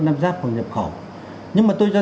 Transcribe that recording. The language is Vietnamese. nắp ráp hoặc nhập khẩu nhưng mà tôi cho